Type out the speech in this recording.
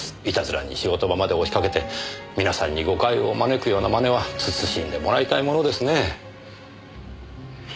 いたずらに仕事場まで押しかけて皆さんに誤解を招くような真似は慎んでもらいたいものですねえ。